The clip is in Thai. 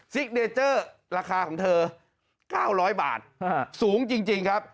เนเจอร์ราคาของเธอ๙๐๐บาทสูงจริงครับ